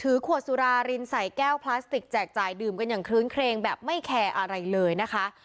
ขวดสุรารินใส่แก้วพลาสติกแจกจ่ายดื่มกันอย่างคลื้นเครงแบบไม่แคร์อะไรเลยนะคะ